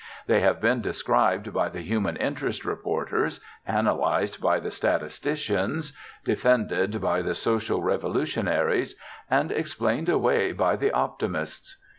They have been described by the human interest reporters, analyzed by the statisticians, defended by the social revolutionaries, and explained away by the optimists.